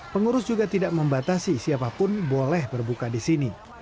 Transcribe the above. pengurus juga tidak membatasi siapapun boleh berbuka di sini